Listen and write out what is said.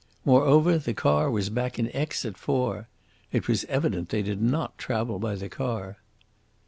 Moreover, the car was back in Aix at four. It was evident they did not travel by the car.